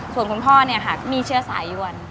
ส่วนคุณพ่อเนี่ยค่ะก็มีเชื้อสายยวน